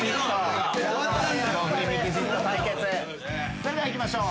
それではいきましょう。